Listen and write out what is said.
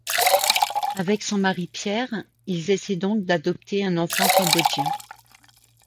Avec son mari Pierre, ils essayent donc d'adopter un enfant cambodgien.